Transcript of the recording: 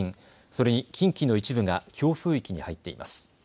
それに近畿の一部が強風域に入っています。